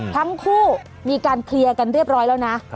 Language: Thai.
ทั้งคู่มีการเคลียร์กันเรียบร้อยแล้วนะ